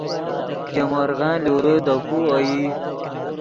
ژے مورغن لورے دے کو اوئی